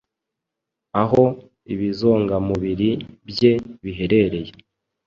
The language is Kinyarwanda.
aho ibizongamubiri bye biherereye